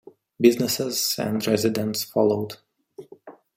Businesses and residents followed.